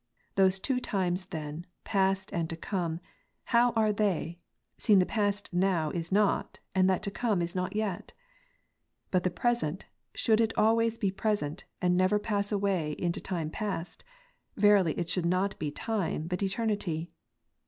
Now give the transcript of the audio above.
Those two times then, past and to come, how are they, seeing the past now, is not, and that to come is not yet? But the present, should/ it always be present, and never pass into time past, verily it should not be time, but eternity.